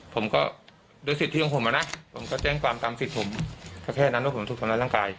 ผมก็ด้วยสิทธิของผมนะผมก็แจ้งความตามสิทธิ์ผมก็แค่นั้นว่าผมถูกทำร้ายร่างกาย